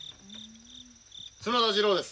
角田次郎です。